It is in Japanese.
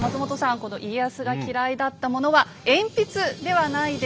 この家康が嫌いだったものは「鉛筆」ではないでしょうか？